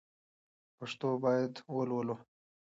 پښتو باید ولولو